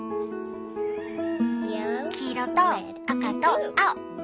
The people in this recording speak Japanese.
黄色と赤と青。